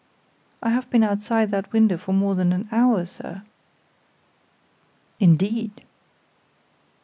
I have been outside that window for more than an hour, sir." "Indeed!"